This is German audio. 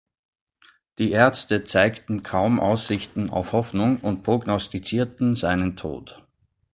Die Ärzte zeigten kaum Aussichten auf Hoffnung und prognostizierten seinen Tod.